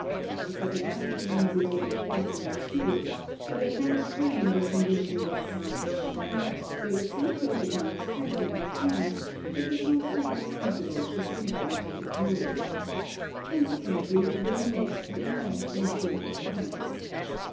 The photographic lenses were in place in the tube, but at that time their condition was such that, though some photographs had been obtained, it was not thought advisable to submit them to the jury. Consequently, the Lunette did not receive a prize.